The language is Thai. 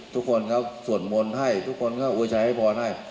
ทุกคนเขาส่วนบ่นให้ทุกคนเขาอุยชัยให้พรให้